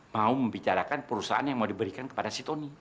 mau membicarakan perusahaan yang mau diberikan kepada si tony